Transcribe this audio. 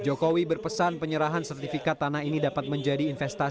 jokowi berpesan penyerahan sertifikat tanah ini